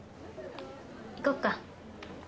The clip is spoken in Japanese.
行こっか。